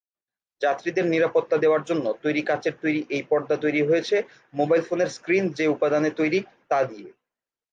যাত্রীদের নিরাপত্তা দেওয়ার জন্য তৈরি কাচের এই 'পর্দা' তৈরি হয়েছে মোবাইল ফোনের স্ক্রিন যে উপাদানে তৈরি, তা দিয়ে।